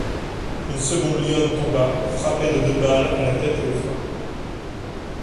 Une seconde lionne tomba, frappée de deux balles à la tête et au flanc.